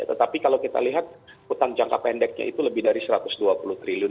tetapi kalau kita lihat utang jangka pendeknya itu lebih dari satu ratus dua puluh triliun